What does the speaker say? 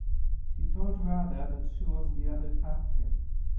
He told Radha that she was the other half of him.